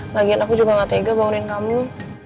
lagian aku juga gak tega bangunin kamu